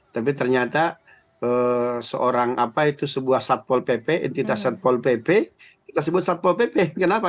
tapi ternyata seorang satpol pp kita sebut satpol pp kenapa